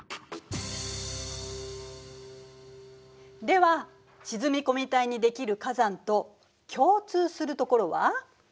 では沈み込み帯にできる火山と共通するところは？